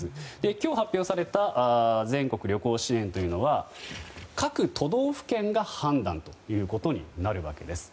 今日、発表された全国旅行支援は各都道府県が判断ということになるわけです。